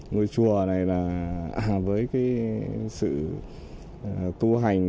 ngôi chùa này là với sự tu hành